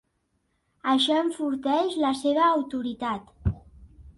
Això enforteix la seva autoritat.